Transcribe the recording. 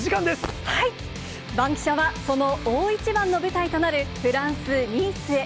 バンキシャは、その大一番の舞台となるフランス・ニースへ。